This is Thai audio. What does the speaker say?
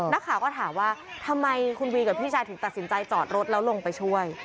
นักข่าวก็ถามว่าทำไมคุณวีกับพี่ชายถึงตัดสินใจจอดรถแล้วลงไปช่วย